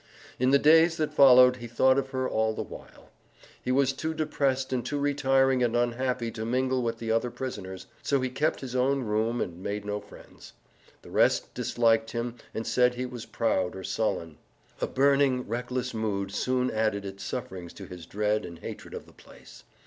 In the days that followed he thought of her all the while. He was too depressed and too retiring and unhappy to mingle with the other prisoners, so he kept his own room and made no friends. The rest disliked him and said he was proud or sullen. A burning, reckless mood soon added its sufferings to his dread and hatred of the place.